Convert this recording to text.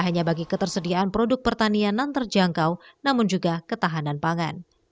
hanya bagi ketersediaan produk pertanian non terjangkau namun juga ketahanan pangan